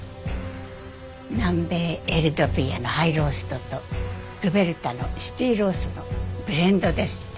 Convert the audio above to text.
南米エルドビアのハイローストとルベルタのシティローストのブレンドですって。